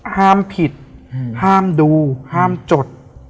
ห้ามผิดห้ามดูห้ามจด